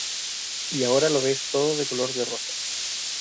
y ahora lo ves todo de color de rosas.